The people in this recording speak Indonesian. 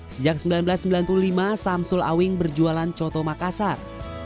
sejak seribu sembilan ratus sembilan puluh lima samsul awing berjualan coto makassar